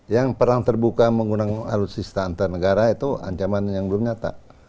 yang perang terbuka menggunakan alutsista antar negara itu ancaman yang belum nyata